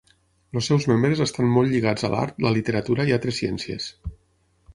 Els seus membres estan molt lligats a l'art, la literatura i altres ciències.